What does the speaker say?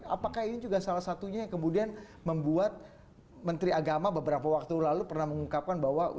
apakah ini juga salah satunya yang kemudian membuat menteri agama beberapa waktu lalu pernah mengungkapkan bahwa